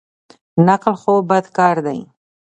نقل خو بد کار دئ.